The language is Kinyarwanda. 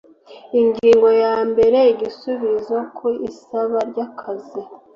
Ingingo ya mbere Igisubizo ku isaba ryakazi